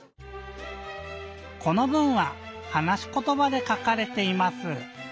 この文は「はなしことば」でかかれています。